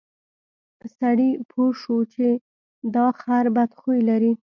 سړي پوه شو چې دا خر بد خوی لري.